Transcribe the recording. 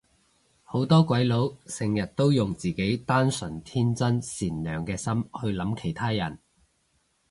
好多鬼佬成日都用自己單純天真善良嘅心去諗其他人